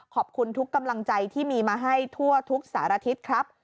ขอบคุณทุกกำลังใจที่มีมาให้ทั่วทุกสารทิศครับ